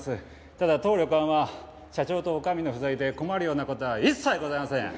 ただ当旅館は社長と女将の不在で困るような事は一切ございません！